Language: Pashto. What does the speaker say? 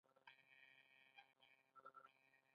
څنګه يې وړکيه؛ ورک ورک يې؟